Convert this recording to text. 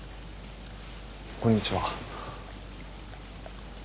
こんにちは。